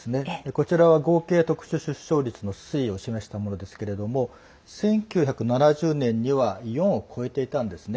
こちらは合計特殊出生率の推移を示したものですけど１９７０年には４を超えていたんですね。